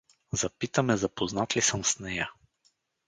Запита ме запознат ли съм с нея.